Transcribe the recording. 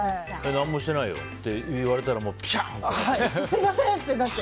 何もしてないよって言われたらピシャーンってなるからね。